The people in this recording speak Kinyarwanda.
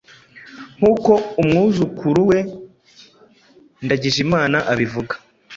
nk’uko umwuzukuru we Ndagijimana abivuga.